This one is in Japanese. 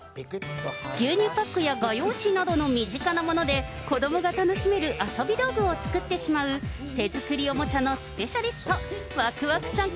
牛乳パックや画用紙などの身近なもので、子どもが楽しめる遊び道具を作ってしまう、手作りおもちゃのスペシャリスト、わくわくさん